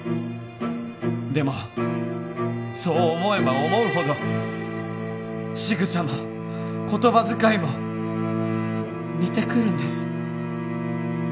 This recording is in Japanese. でもそう思えば思うほどしぐさも言葉遣いも似てくるんです。